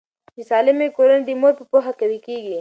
د سالمې کورنۍ د مور په پوهه قوي کیږي.